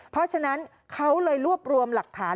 เพราะฉะนั้นเขาเลยรวบรวมหลักฐาน